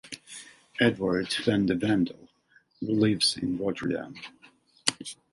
Edward van de Vendel lives in Rotterdam